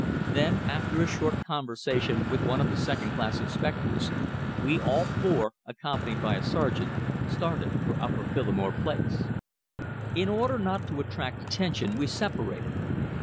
Then, after a short conversation with one of the second class inspectors, we all four, accompanied by a sergeant, started for Upper Phillimore Place. In order not to attract attention we separated.